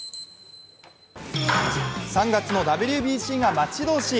３月のＷＢＣが待ち遠しい。